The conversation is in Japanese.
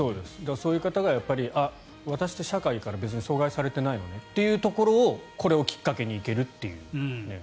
そういう方が私って社会から別に阻害されていないのねというところをこれをきっかけに行けるという。